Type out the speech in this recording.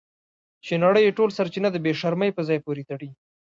چې نړۍ یې ټول سرچینه د بې شرمۍ په ځای پورې تړي.